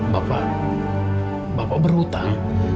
bapak bapak berhutang